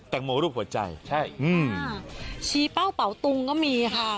แตงมอรูปขวดใจใช่อืมชี้เป้าเหล่าตุงก็มีค่ะ